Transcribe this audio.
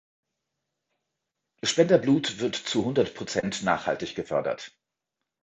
Spenderblut wird zu hundert Prozent nachhaltig gefördert.